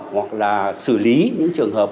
hoặc là xử lý những trường hợp